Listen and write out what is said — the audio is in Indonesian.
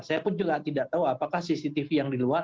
saya pun juga tidak tahu apakah cctv yang di luar